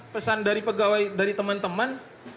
pesan dari teman teman